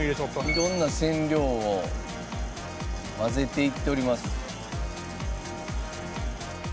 色んな染料を混ぜていっております。